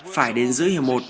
phải đến giữa hiểm một